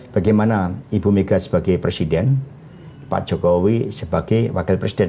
bagaimana ibu mega sebagai presiden pak jokowi sebagai wakil presiden